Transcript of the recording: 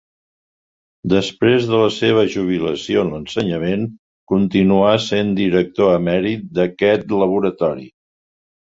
Després de la seva jubilació en l'ensenyament continuar sent director emèrit d'aquest laboratori.